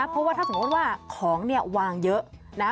เพราะว่าถ้าสมมุติว่าของเนี่ยวางเยอะนะ